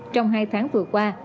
trong hai tháng vừa qua